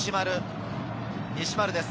西丸です。